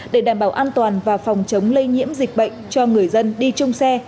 để đảm bảo an toàn và phòng chống lây nhiễm dịch bệnh cho người dân đi trông xe